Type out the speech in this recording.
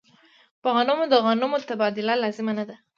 په غنمو د غنمو تبادله لازمه نه ده.